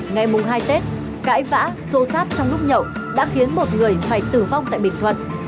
ngày hai tết cãi vã xô xát trong lúc nhậu đã khiến một người phải tử vong tại bình thuận